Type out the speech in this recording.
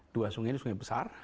dua sungai sungai besar